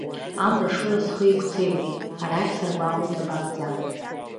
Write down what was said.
Амра шыра схы иқәцеиуеит, арахь саргәаҟуеит абааӡа.